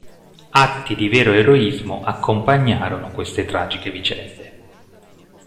Atti di vero eroismo accompagnarono queste tragiche vicende.